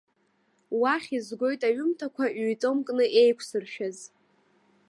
Уахь изгоит аҩымҭақәа ҩ-томкны еиқәсыршәаз.